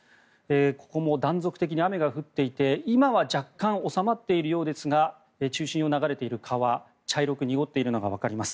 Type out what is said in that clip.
ここも断続的に雨が降っていて今は若干収まっているようですが中心を流れている川が茶色く濁っているのが分かります。